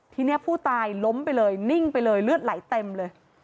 ทีนี้ผู้ตายล้มไปเลยนิ่งไปเลยเลือดไหลเต็มเลย